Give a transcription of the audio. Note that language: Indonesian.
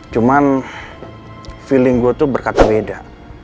cuman feeling gue tuh berkata beda